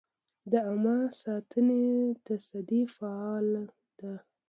د عامه ساتنې تصدۍ فعال ده؟